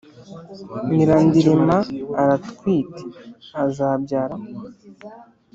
Nyirandirima aratwite azabyar